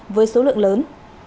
với số lượng lớn